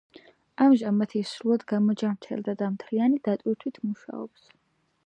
ამჟამად ის სრულად გამოჯამრთელდა და მთლიანი დატვირთვით მუშაობს.